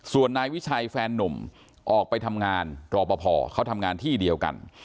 ส่วนนายวิชัยแฟนนุ่มออกไปทำงานรอปภเขาทำงานที่เดียวกัน